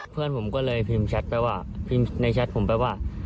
เพื่อนผมก็เลยพิมพ์ในแชทผมไปว่า